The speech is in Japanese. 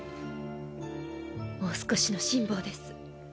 もう少しの辛抱です。